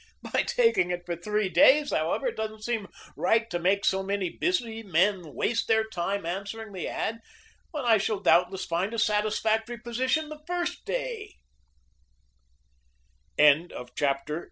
"By taking it for three days, however, it doesn't seem right to make so many busy men waste their time answering the ad when I shall doubtless find a satisfactory position the first day." CHAPTER III.